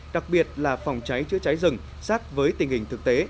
đặc biệt là phòng cháy chữa cháy rừng sát với tình hình thực tế